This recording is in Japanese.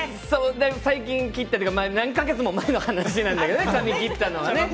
最近切ったというか、何か月も前の話なんだけどね、髪切ったのは。